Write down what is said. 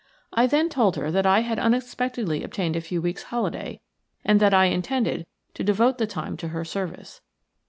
I then told her that I had unexpectedly obtained a few weeks' holiday and that I intended to devote the time to her service.